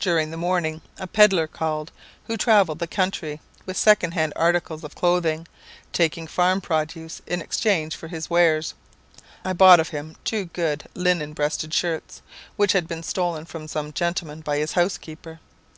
"During the morning a pedlar called, who travelled the country with second hand articles of clothing, taking farm produce in exchange for his wares. I bought of him two good linen breasted shirts, which had been stolen from some gentleman by his housekeeper.